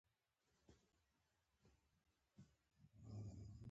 د افغانستان په منظره کې خاوره په ښکاره ډول دي.